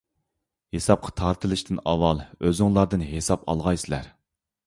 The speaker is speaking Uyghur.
ھېسابقا تارتىلىشتىن ئاۋۋال ئۆزۈڭلاردىن ھېساب ئالغايسىلەر.